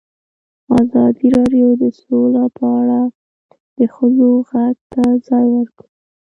ازادي راډیو د سوله په اړه د ښځو غږ ته ځای ورکړی.